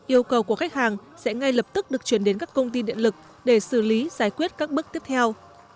yêu cầu của khách hàng sẽ ngay lập tức được chuyển đến các công ty điện lực để xử lý giải quyết các bước tiếp theo